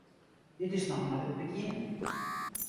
Dit is noch mar it begjin.